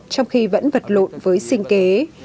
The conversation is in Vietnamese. trong khi vẫn vật lộn với sinh kế